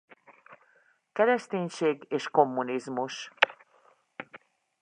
Kereszténység és kommunizmus.